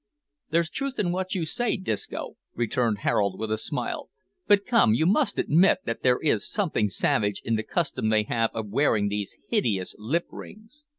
"There's truth in what you say, Disco," returned Harold, with a smile, "but come, you must admit that there is something savage in the custom they have of wearing these hideous lip rings."